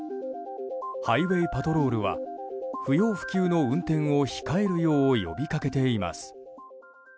ハイウェーパトロールは不要不急の運転を控えるよう呼びかけています。